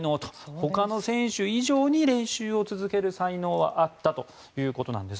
ほかの選手以上に練習を続ける才能はあったということなんです。